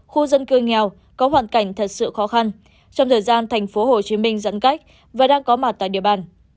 khu dân cư nghèo có hoàn cảnh thật sự khó khăn trong thời gian thành phố hồ chí minh giãn cách và đang có mặt tại địa bàn